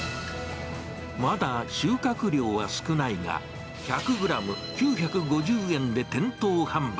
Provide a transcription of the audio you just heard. まだ収穫量は少ないが、１００グラム９５０円で店頭販売。